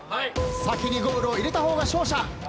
先にゴールを入れた方が勝者。